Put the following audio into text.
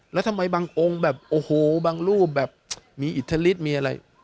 แล้วทำไมบางองค์แบบโอ้โหบางรูปแบบมีอิทธิฤทธิ์มีอะไร